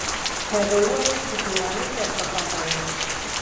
هغه وویل چې تورنۍ ته ارتقا کوم.